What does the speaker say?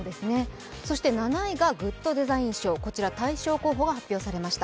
そして７位がグッドデザイン賞、大賞候補が発表されました。